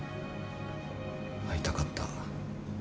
会いたかった。